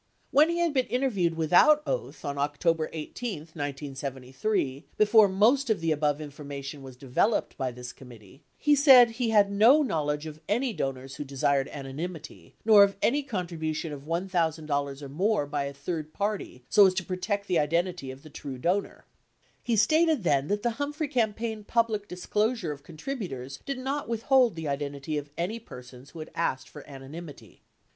86 When he had been interviewed without oath on October 18, 1973, 87 before most of the above information was developed by this committee, he most of the above information was developed by this committee, he said he had no knowledge of any donors who desired anonymity, nor of any contribution of $1,000 or more by a third party so as to protect the identity of the true donor. He stated then that the Humphrey campaign public disclosure of contributors did not withhold the iden tities of any persons who had asked for anonymity.